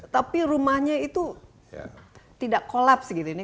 tapi rumahnya itu tidak kolapsi